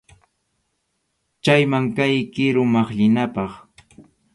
Chayman kaq kiru maqllinapaq.